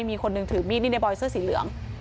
มีคนหนึ่งถือมีดนี่ในบอยเสื้อสีเหลือง